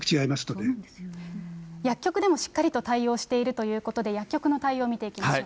薬局でもしっかりと対応しているということで、薬局の対応見ていきましょう。